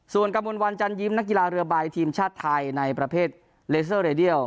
ส่วนกระมวลวันจันยิ้มนักกีฬาเรือใบทีมชาติไทยในประเภทเลเซอร์เรเดียล